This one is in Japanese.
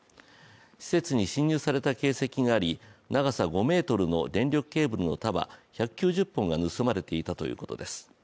施設に侵入された形跡があり、長さ５ｍの電力ケーブルの束１９０本が盗まれていたということです。